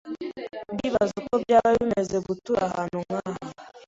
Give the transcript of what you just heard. Ndibaza uko byaba bimeze gutura ahantu nkaha.